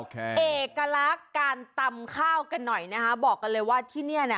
เอกลักษณ์การตำข้าวกันหน่อยนะคะบอกกันเลยว่าที่นี่น่ะ